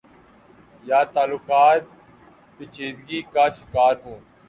یا تعلقات پیچیدگی کا شکار ہوں۔۔